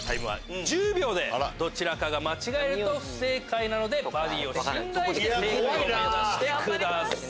どちらかが間違えると不正解なのでバディを信頼して正解を目指してください。